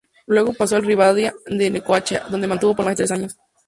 Luego pasó al Rivadavia de Necochea, donde se mantuvo por más de tres años.